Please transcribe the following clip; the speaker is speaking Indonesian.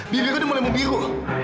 biru udah mulai membiru